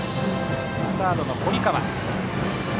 サードの堀川。